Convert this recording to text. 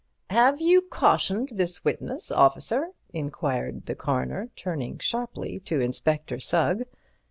"Have you cautioned this witness, officer?" inquired the Coroner, turning sharply to Inspector Sugg.